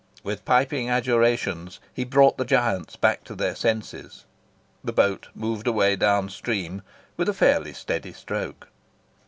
With piping adjurations he brought the giants back to their senses. The boat moved away down stream, with a fairly steady stroke.